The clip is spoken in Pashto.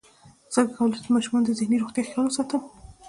څنګه کولی شم د ماشومانو د ذهني روغتیا خیال وساتم